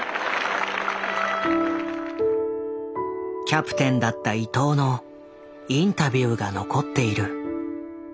キャプテンだった伊藤のインタビューが残っている。